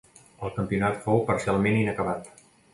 El campionat fou parcialment inacabat.